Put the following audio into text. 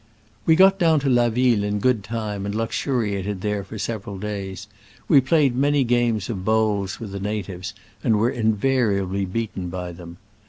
We got down to La Ville in good time, and luxuriated there for several days : we played many games of bowls with the natives, and were invariably beaten by them.